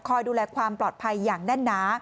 ดูแลความปลอดภัยอย่างแน่นหนา